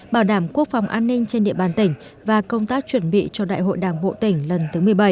bảo đảm quốc phòng an ninh trên địa bàn tỉnh và công tác chuẩn bị cho đại hội đảng bộ tỉnh lần thứ một mươi bảy